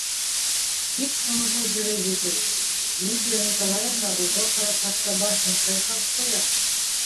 Бик күңелһеҙ йөрөй бит ул. Лидия Николаевна уға ҡарап хатта башын сайҡап ҡуя.